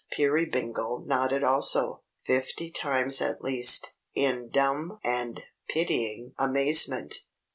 Peerybingle nodded also, fifty times at least in dumb and pitying amazement.